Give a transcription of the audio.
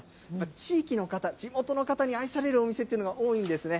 地域の方、地元の方に愛されるお店というのが多いんですね。